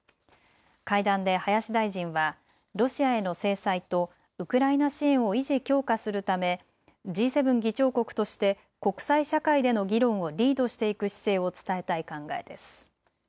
会談で林大臣はロシアへの制裁とウクライナ支援を維持・強化するため、Ｇ７議長国として国際社会での議論をリードしていく姿勢を伝えたい考えです。